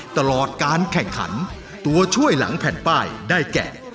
ตลอดการแข่งขันตัวช่วยหลังแผ่นป้ายได้แก่